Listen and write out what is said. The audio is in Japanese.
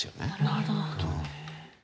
なるほどね。